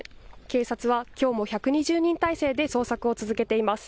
警察はきょうも１２０人態勢で捜索を続けています。